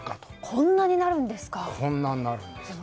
こんなになるんですか。